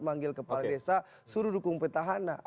manggil kepala desa suruh dukung petahana